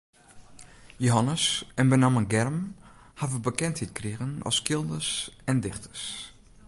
Jehannes en benammen Germ hawwe bekendheid krigen as skilders en dichters.